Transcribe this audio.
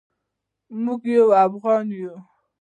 موږ یو افغان یو